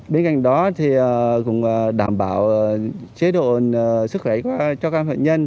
bên cạnh đó thì cũng đảm bảo chế độ sức khỏe cho căn phạm nhân